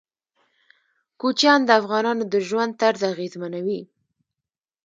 کوچیان د افغانانو د ژوند طرز اغېزمنوي.